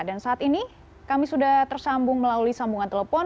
dan saat ini kami sudah tersambung melalui sambungan telepon